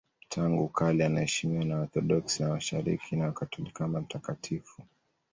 Tangu kale anaheshimiwa na Waorthodoksi wa Mashariki na Wakatoliki kama mtakatifu.